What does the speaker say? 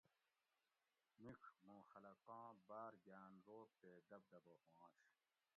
مِیڄ موں خلقاں باۤر گاۤن رعب تے دبدبہ ہوانش